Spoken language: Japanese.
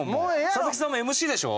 佐々木さんもＭＣでしょ？